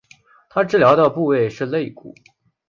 她治疗的部位是肋骨。